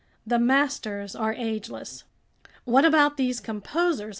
The masters are ageless." "What about these composers?"